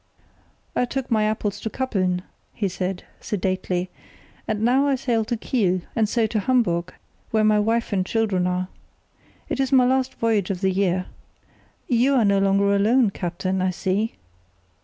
"I took my apples to Kappeln," he said, sedately, "and now I sail to Kiel, and so to Hamburg, where my wife and children are. It is my last voyage of the year. You are no longer alone, captain, I see."